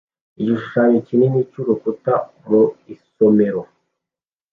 Igishushanyo kinini cy'urukuta mu isomero